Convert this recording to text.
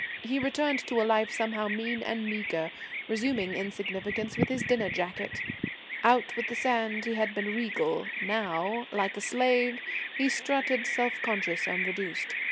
He returned to a life somehow mean and meagre, resuming insignificance with his dinner jacket. Out with the sand he had been regal; now, like a slave, he strutted self conscious and reduced.